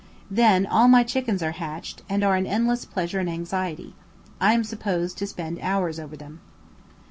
Then, all my chickens are hatched, and are an endless pleasure and anxiety. I am supposed to spend hours over them.